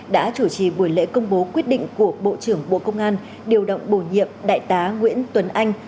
đã chủ trì buổi lễ công bố quyết định của bộ trưởng bộ công an điều động bổ nhiệm đại tá nguyễn tuấn anh